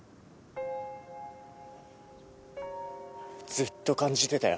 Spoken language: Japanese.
ずっと感じてたよ。